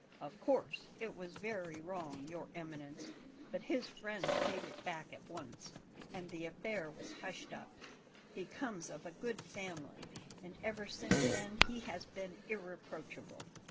"Of course it was very wrong, Your Eminence; but his friends paid it back at once, and the affair was hushed up, he comes of a good family, and ever since then he has been irreproachable.